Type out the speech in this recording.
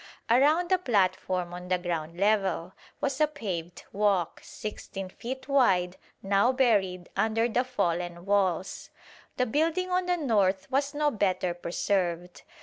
Around the platform on the ground level was a paved walk, 16 feet wide, now buried under the fallen walls. The building on the north was no better preserved.